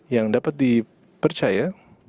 yang dapat dipercaya